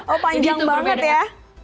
oh panjang banget ya